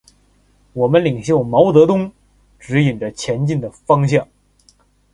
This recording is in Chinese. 我们领袖毛泽东，指引着前进的方向。